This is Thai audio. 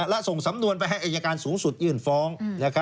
และส่งสำนวนให้เอนจากรรณสูงสุดยื่นฟ้อง